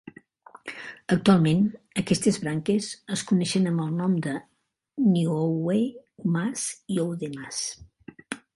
Actualment, aquestes branques es coneixen amb el nom de Nieuwe Maas i Oude Maas.